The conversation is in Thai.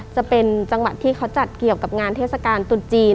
จะเป็นจังหวัดที่เขาจัดเกี่ยวกับงานเทศกาลตรุษจีน